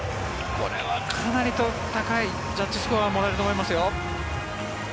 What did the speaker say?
これは高いジャッジスコアをもらえると思いますよ。